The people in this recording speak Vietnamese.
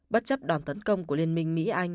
bất chấp đòn tấn công của liên minh mỹ anh